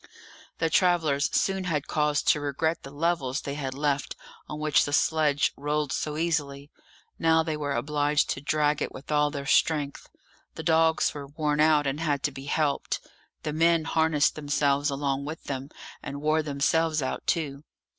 The travellers soon had cause to regret the levels they had left, on which the sledge rolled so easily. Now they were obliged to drag it with all their strength. The dogs were worn out, and had to be helped; the men harnessed themselves along with them, and wore themselves out too.